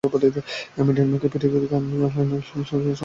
আমি ডেনমার্কে ফিরে গিয়ে অনলাইনে সিরিয়ার সংঘাত সম্পর্কে জানার চেষ্টা করব।